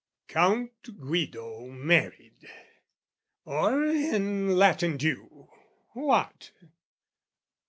Count Guido married or, in Latin due, What?